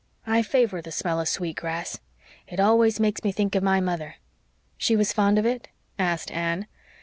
I favor the smell of sweet grass. It always makes me think of my mother." "She was fond of it?" asked Anne.